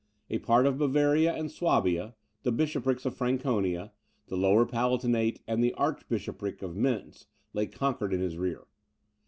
A part of Bavaria and Swabia, the Bishoprics of Franconia, the Lower Palatinate, and the Archbishopric of Mentz, lay conquered in his rear.